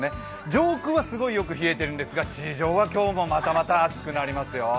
上空はすごいよく冷えているんですが地上は今日もまたまた暑くなりますよ。